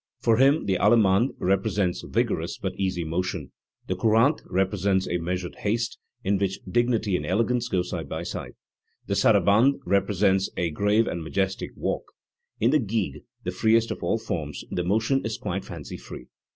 For him the allemande represents vigorous but easy motion; the courante repre sents a measured haste, in which dignity and elegance go side by side; the sarabande represents a grave and majestic walk; in the gigue, the freest of all forms, the motion is quite fancy free.